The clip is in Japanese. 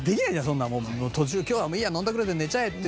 そんなもう途中で今日はもういいや飲んだくれて寝ちゃえって。